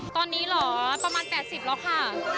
ตอนนี้เหรอประมาณ๘๐แล้วค่ะ